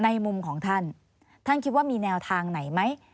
ในมุมของท่านท่านคิดว่ามีแนวทางไหนไหม